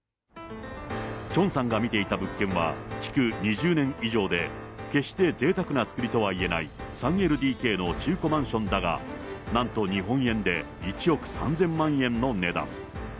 チョンさんが見ていた物件は、築２０年以上で、決してぜいたくなつくりとはいえない３ＬＤＫの中古マンションだが、なんと日本円で１億３０００万円の値段。